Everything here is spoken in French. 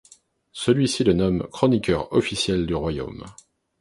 Celui-ci le nomme chroniqueur officiel du royaume.